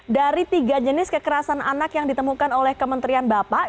dari tiga jenis kekerasan anak yang ditemukan oleh kementerian bapak